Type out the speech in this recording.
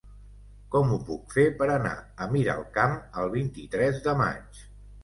Com ho puc fer per anar a Miralcamp el vint-i-tres de maig?